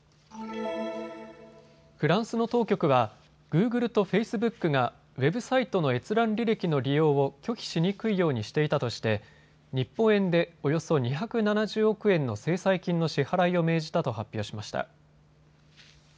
フランスの当局はグーグルとフェイスブックがウェブサイトの閲覧履歴の利用を拒否しにくいようにしていたとして日本円でおよそ２７０億円の制裁金の支払いを命じたと発表しました。